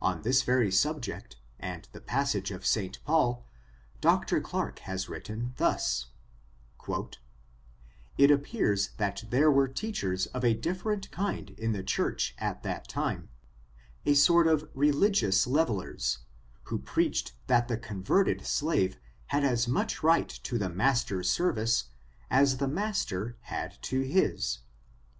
On this very subject, and this passage of St. Paul, Dr. Clarke has written thus: '4t appears that there were teachers of a different kind in the church at that time, a sort of religious levelersj who preached that the converted slave had as much right to the master's service as the master had to his.